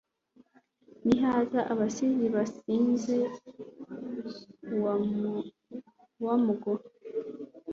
nihaza abasizi basingize uwamuguha